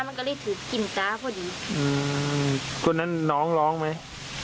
มันก็เลยถือกิมจ๊ะพอดีอืมช่วงนั้นน้องร้องไหม